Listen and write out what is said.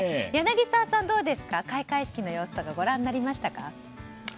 柳澤さん、どうですか開会式の様子とかご覧になりましたか？